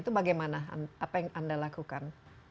itu bagaimana apa yang anda lakukan